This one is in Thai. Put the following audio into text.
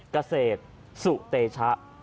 เกษตรสุเตชะ